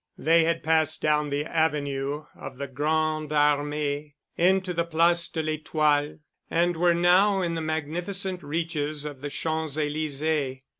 They had passed down the avenue of the Grande Armée, into the place de l'Étoile, and were now in the magnificent reaches of the Champs Élysées.